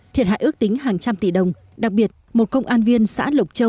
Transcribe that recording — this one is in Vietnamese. thiệt hại ước tính hàng trăm tỷ đồng đặc biệt một công an viên xã lộc châu